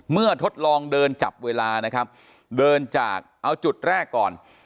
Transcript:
ทดลองเดินจับเวลานะครับเดินจากเอาจุดแรกก่อน